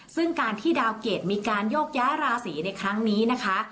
ซึ่งการที่ดาวเกรดมีการโยกย้ายราศีในครั้งนี้นะคะ